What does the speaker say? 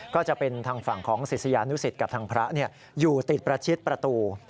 ก็จะเป็นทางฝั่งของศิษยานุสิตกับทางพระอยู่ติดประชิดประตู